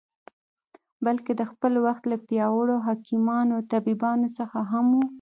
بلکې د خپل وخت له پیاوړو حکیمانو او طبیبانو څخه هم و.